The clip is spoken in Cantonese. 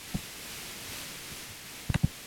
五行包括金木水火土